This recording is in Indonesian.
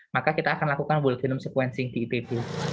maka kita akan lakukan wall genome sequencing di itb